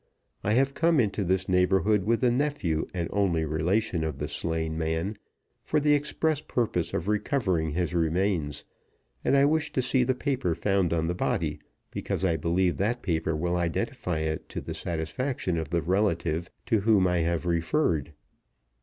I have come into this neighborhood with the nephew and only relation of the slain man, for the express purpose of recovering his remains; and I wish to see the paper found on the body, because I believe that paper will identify it to the satisfaction of the relative to whom I have referred.